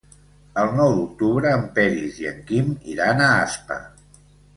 El nou d'octubre en Peris i en Quim iran a Aspa.